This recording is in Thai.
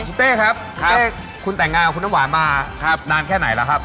คุณเต้ครับเต้คุณแต่งงานกับคุณน้ำหวานมานานแค่ไหนแล้วครับ